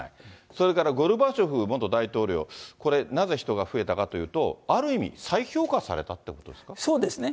それからゴルバチョフ元大統領、これ、なぜ人が増えたかというと、ある意味、そうですね。